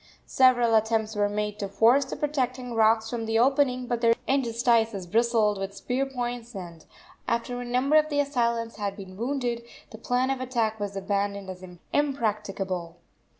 Several attempts were made to force the protecting rocks from the opening, but their interstices bristled with spear points, and, after a number of the assailants had been wounded, that plan of attack was abandoned as impracticable.